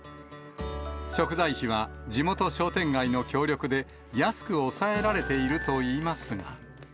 食材費は、地元商店街の協力で安く抑えられているといいますが。